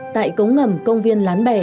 tại cống ngầm công viên lán bè